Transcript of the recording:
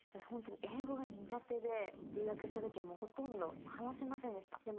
本当に英語が苦手で留学した時はもうほとんど話せませんでした。